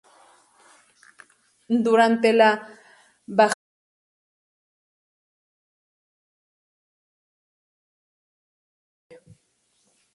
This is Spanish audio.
Durante la bajamar se une a un islote del que ha recibido el nombre.